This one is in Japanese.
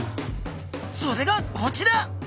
それがこちら！